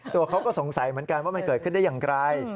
ตัวเขาก็สงสัยเหมือนกันว่ามันเกิดขึ้นได้อย่างไร